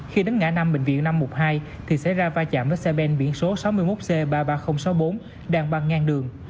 khi đến ngã năm bệnh viện năm trăm một mươi hai thì xảy ra va chạm với xe ben biển số sáu mươi một c ba mươi ba nghìn sáu mươi bốn đang băng ngang đường